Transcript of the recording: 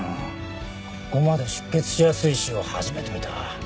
ここまで出血しやすい腫瘍は初めて見た。